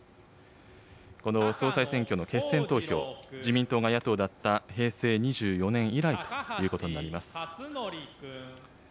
この総裁選挙の決選投票、自民党が野党だった平成２４年以来ということになります。